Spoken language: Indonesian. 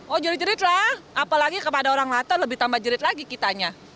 oh jerit jerit lah apalagi kepada orang lhato lebih tambah jerit lagi kitanya